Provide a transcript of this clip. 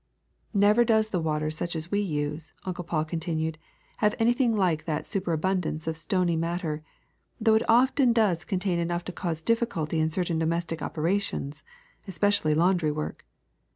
''Never does the water such as we use," Uncle Paul continued, ''have anything like that super abundance of stony matter, though it often does con tain enough to cause difficulty in certain domestic operations, especially laundry work.